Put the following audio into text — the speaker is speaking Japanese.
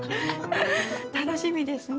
楽しみですね。